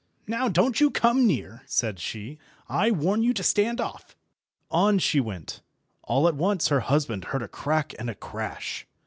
"Now don't you come near," said she. "I warn you to stand off." On she went; all at once her husband heard a crack and a crash.